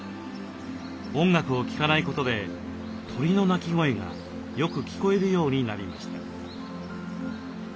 音楽を聞かないことで鳥の鳴き声がよく聞こえるようになりました。